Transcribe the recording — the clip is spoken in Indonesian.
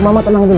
mama tenang dulu